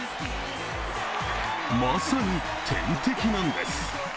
まさに天敵なんです。